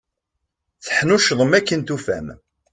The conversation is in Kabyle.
Teḥnuccḍem akken tufam.